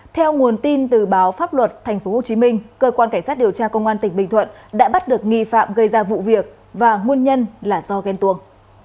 theo nguồn tin từ báo pháp luật tp hcm cơ quan cảnh sát điều tra công an tỉnh bình thuận đã bắt được nghi phạm gây ra vụ việc và nguồn nhân là do ghen tuồng